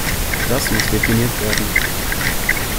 Das muss definiert werden.